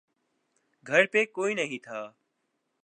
گھر پے کوئی نہیں تھا۔